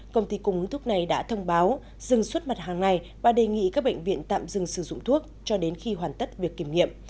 công ty cung ứng thuốc này đã thông báo dừng suốt mặt hàng này và đề nghị các bệnh viện tạm dừng sử dụng thuốc cho đến khi hoàn tất việc kiểm nghiệm